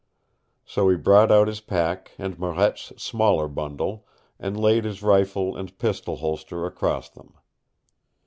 So he brought out his pack and Marette's smaller bundle, and laid his rifle and pistol holster across them.